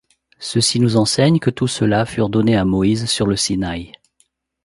Ceci nous enseigne que tous ceux-là furent donnés à Moïse sur le Sinaï.